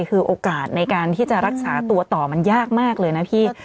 คือโอกาสในการที่จะรักษาตัวต่อมันยากมากเลยนะพี่